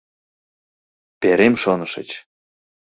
Перем, шонышыч.